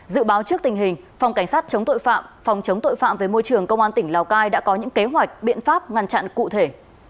dự báo trước tình hình phòng cảnh sát chống tội phạm phòng chống tội phạm về môi trường công an tỉnh lào cai đã có những kế hoạch biện pháp ngăn chặn cụ thể